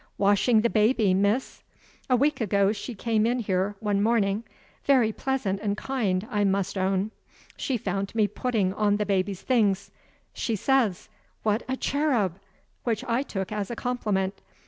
"Washing the baby, miss. A week ago, she came in here, one morning; very pleasant and kind, I must own. She found me putting on the baby's things. She says: 'What a cherub!' which I took as a compliment.